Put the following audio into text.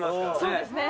そうですね。